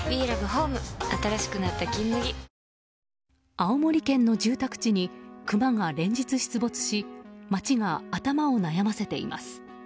青森県の住宅地にクマが連日、出没し町が頭を悩ませています。